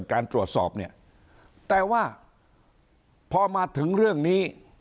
การตรวจสอบเนี่ยแต่ว่าพอมาถึงเรื่องนี้